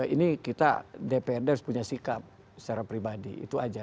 ini kita dprd harus punya sikap secara pribadi itu aja